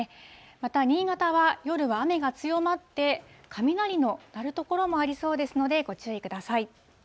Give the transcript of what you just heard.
また、新潟は夜は雨が強まって、雷の鳴る所もありそうですのでご注意ください。